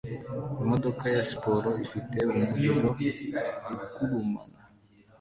Imodoka ya siporo ifite umuriro ugurumana